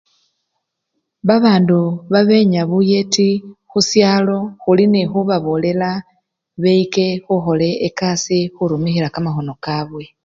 Babandu babenya buyeti khusyalo, khuli nekhubabolela beyike ekasi ekasii yekhurumikhila kamakhono kabwe.